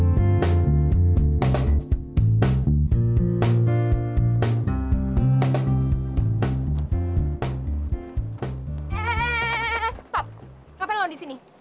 ngapain lo di sini